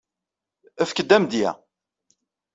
Efk-d amedya.